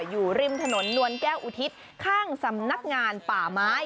อยู่ริมถนนนวลแก้วอุทิศข้างสำนักงานป่าไม้